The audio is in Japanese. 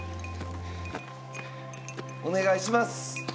お願いします